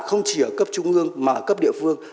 không chỉ ở cấp trung ương mà ở cấp địa phương